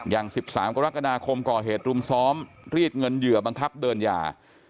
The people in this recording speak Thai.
อย่าง๑๓กรกฎาคมก่อเหตุรุมซ้อมรีดเงินเหยื่อบังคับเดินยา